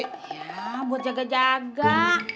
ya buat jaga jaga